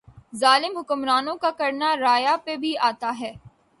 ظالم حکمرانوں کا کرنا رعایا پہ بھی آتا ھے